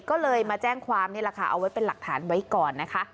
ก็เลยมาแจ้งความนี่แหละค่ะเอาไว้เป็นหลักฐานไว้ก่อนนะคะ